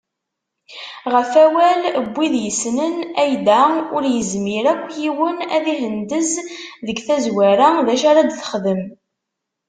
Ɣef wawal n wid yessnen Ai-Da, ur yezmir akk yiwen ad ihendez seg tazwara d acu ara d-texdem.